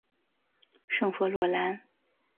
圣弗洛兰。